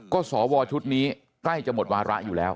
ก็สวชุดนี้ใกล้จะหมดวาระอยู่แล้ว